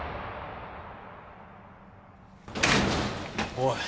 おい！